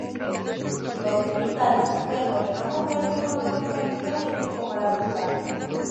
Los genitales externos de una mujer se conocen colectivamente como la vulva.